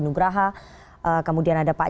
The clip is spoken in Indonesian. nugraha kemudian ada pak